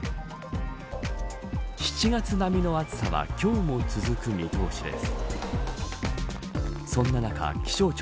７月並みの暑さは今日も続く見通しです。